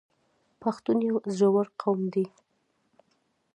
پښتون یو زړور قوم دی.